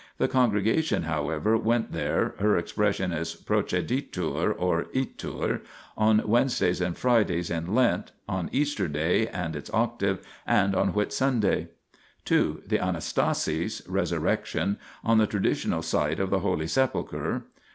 The congregation, however, went there (her expression \sprocedituror itur] on Wednesdays and Fridays in Lent, on Easter Day and its Octave, and on Whitsunday. 2. The Anas fast's (Resurrection), on the traditional site of the Holy Sepulchre.